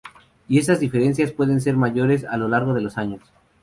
Y estas diferencias pueden ser mayores a lo largo de los años.